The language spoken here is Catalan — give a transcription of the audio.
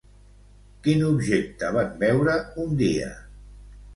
Quin objecte van veure un dia?